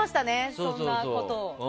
そんなことを。